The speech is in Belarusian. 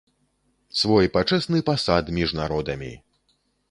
Свой пачэсны пасад між народамі!